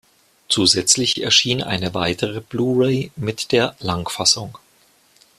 Zusätzlich erschien eine weitere Blu-ray mit der Langfassung.